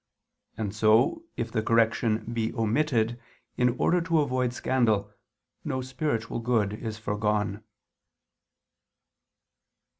And so, if the correction be omitted in order to avoid scandal, no spiritual good is foregone.